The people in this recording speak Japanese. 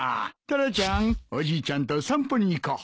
タラちゃんおじいちゃんと散歩に行こう。